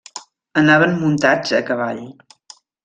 Anaven muntats a cavall.